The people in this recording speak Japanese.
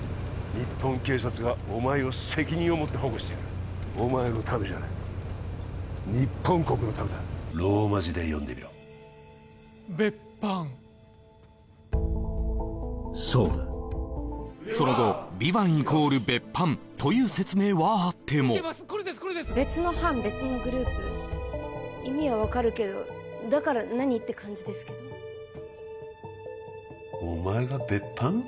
日本警察がお前を責任を持って保護してやるお前のためじゃない日本国のためだローマ字で読んでみろベッパンそうだその後という説明はあっても別の班別のグループ意味は分かるけどだから何？って感じですけどお前が別班？